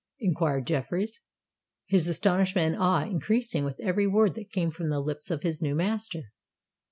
inquired Jeffreys, his astonishment and awe increasing with every word that came from the lips of his new master.